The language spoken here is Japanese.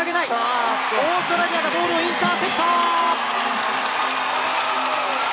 オーストラリアがボールをインターセプト！